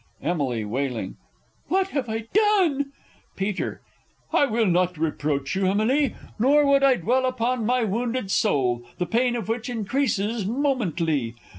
Emily (wailing). What have I done? Peter. I will not now reproach you, Emily, Nor would I dwell upon my wounded sole, The pain of which increases momently.